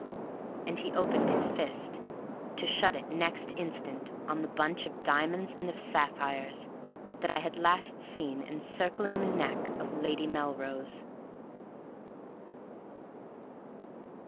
And he opened his fist, to shut it next instant on the bunch of diamonds and of sapphires that I had last seen encircling the neck of Lady Melrose.